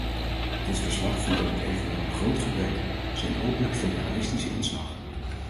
Dit verslag vertoont evenwel een groot gebrek: zijn openlijk federalistische inslag.